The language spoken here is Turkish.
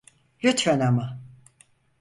Lütfen ama.